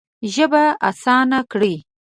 ژبه اسانه کړې.